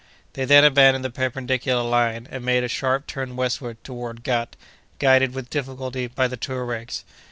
They then abandoned the perpendicular line, and made a sharp turn westward toward Ghât, guided, with difficulty, by the Touaregs.